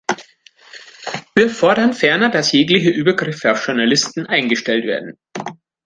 Wir fordern ferner, dass jegliche Übergriffe auf Journalisten eingestellt werden.